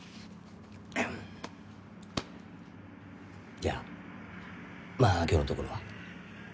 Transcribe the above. じゃあまあ今日のところは。